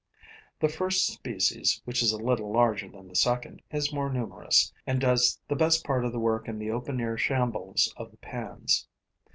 The first species, which is a little larger than the second, is more numerous and does the best part of the work in the open air shambles of the pans.